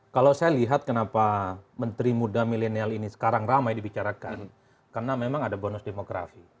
kalau saya lihat kenapa menteri muda milenial ini sekarang ramai dibicarakan karena memang ada bonus demografi